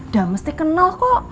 dan mesti kenal kok